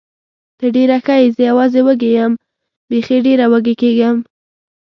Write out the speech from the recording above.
ته ډېره ښه یې، زه یوازې وږې یم، بېخي ډېره وږې کېږم.